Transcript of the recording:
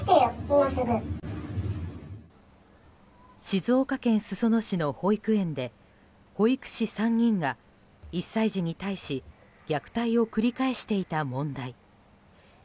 静岡県裾野市の保育園で保育士３人が１歳児に対し虐待を繰り返していた問題。